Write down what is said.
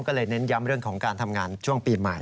ก็เลยเน้นย้ำเรื่องของการทำงานช่วงปีใหม่